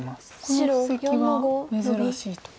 この布石は珍しいと。